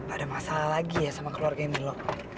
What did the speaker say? ada masalah lagi ya sama keluarga ini ma